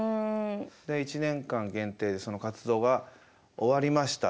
で１年間限定でその活動が終わりました。